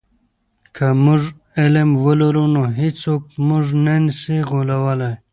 که موږ علم ولرو نو هیڅوک موږ نه سی غولولی.